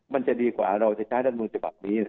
มันจะดีกว่าเราจะใช้ท่านมูลจบับนี้